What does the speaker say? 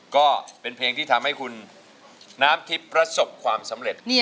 ก็เป็นเพลงที่ทำให้คุณน้ำทิพย์ประสบความสำเร็จ